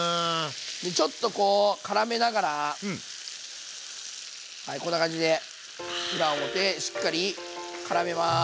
でちょっとこうからめながらはいこんな感じで裏表しっかりからめます。